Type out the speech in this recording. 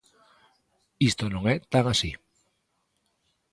Isto non é tan así.